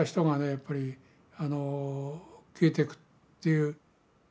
やっぱり消えていくという。